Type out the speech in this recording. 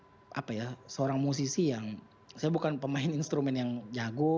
saya apa ya seorang musisi yang saya bukan pemain instrumen yang jago